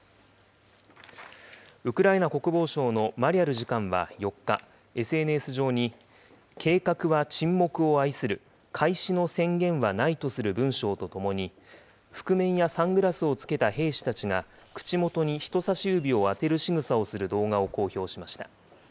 ウクライナ国防省のマリャル次官は４日、ＳＮＳ上に、計画は沈黙を愛する、開始の宣言はないとする文章とともに、覆面やサングラスをつけた兵士たちが、口元に人さし指を当てるしぐさをする動画を公表しました。